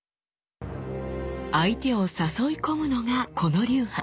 相手を誘い込むのがこの流派。